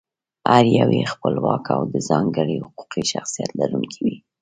هر یو یې خپلواک او د ځانګړي حقوقي شخصیت لرونکی وي.